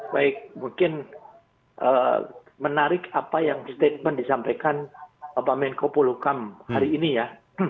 baik mungkin menarik apa yang statement disampaikan bapak menko polukam hari ini ya